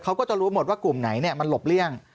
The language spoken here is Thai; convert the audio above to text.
เขาก็จะรู้หมดว่ากลุ่มไหนมันหลบเลี่ยง